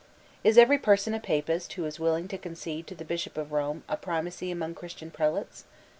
Is every person a Papist who is willing to concede to the Bishop of Rome a primacy among Christian prelates?